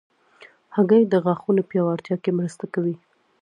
هګۍ د غاښونو پیاوړتیا کې مرسته کوي.